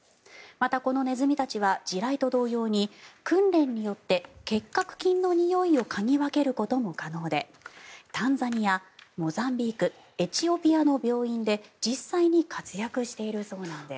また、このネズミたちは地雷と同様に訓練によって結核菌のにおいを嗅ぎ分けることも可能でタンザニア、モザンビークエチオピアの病院で実際に活躍しているそうなんです。